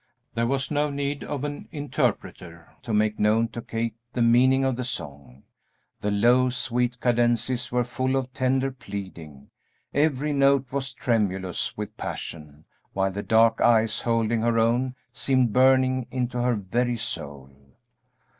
There was no need of an interpreter to make known to Kate the meaning of the song. The low, sweet cadences were full of tender pleading, every note was tremulous with passion, while the dark eyes holding her own seemed burning into her very soul.